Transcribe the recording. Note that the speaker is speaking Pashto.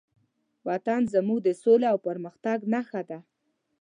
وطن زموږ د سولې او پرمختګ نښه ده.